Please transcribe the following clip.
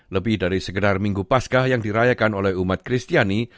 lebih dari segedar minggu paskah yang dirayakan oleh umat kristiani